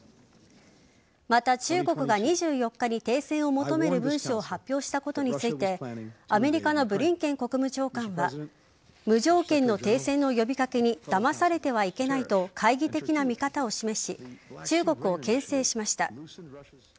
また、中国が２４日に停戦を求める文書を発表したことについてアメリカのブリンケン国務長官は無条件の停戦の呼び掛けにだまされてはいけないと懐疑的な見方を示し中国をけん制しました。